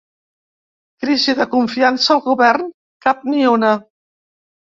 Crisi de confiança al govern, cap ni una.